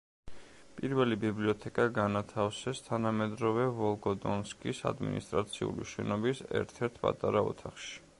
პირველი ბიბლიოთეკა განათავსეს თანამედროვე ვოლგოდონსკის ადმინისტრაციული შენობის ერთ-ერთ პატარა ოთახში.